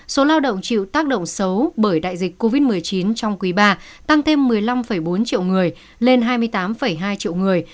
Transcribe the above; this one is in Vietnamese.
số lao động chịu tác động xấu bởi đại dịch covid một mươi chín trong quý iii tăng thêm một mươi năm bốn triệu người lên hai mươi tám hai triệu người